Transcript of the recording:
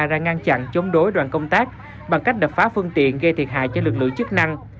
đã ra ngăn chặn chống đối đoàn công tác bằng cách đập phá phương tiện gây thiệt hại cho lực lượng chức năng